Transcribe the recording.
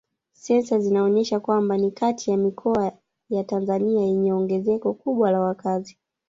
Sensa zinaonyesha kwamba ni kati ya mikoa ya Tanzania yenye ongezeko kubwa la wakazi